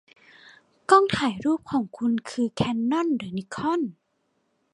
กล้องถ่ายรูปของคุณคือแคนนอนหรือนิคอน